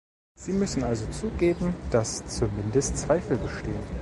Sie müssen also zugeben, dass zumindest Zweifel bestehen.